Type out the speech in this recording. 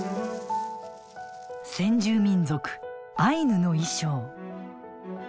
先住民族アイヌの衣装。